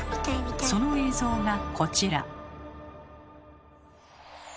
その映像がこちら。